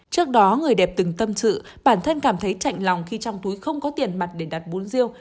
trước đó người đẹp từng tâm sự bản thân cảm thấy chạy lòng khi trong túi không có tiền mặt để đặt bún rêu